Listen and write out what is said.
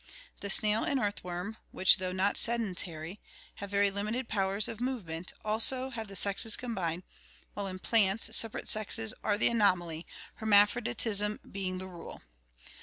The snail and earthworm, which, though not sedentary, have very limited powers of movement, also have the sexes combined, while in plants separate sexes are the anomaly, hermaphroditism being the rule.